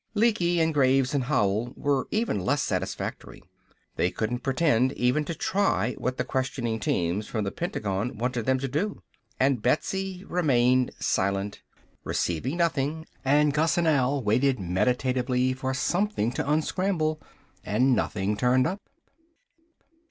Lecky and Graves and Howell were even less satisfactory. They couldn't pretend even to try what the questioning teams from the Pentagon wanted them to do. And Betsy remained silent, receiving nothing, and Gus and Al waited meditatively for something to unscramble, and nothing turned up.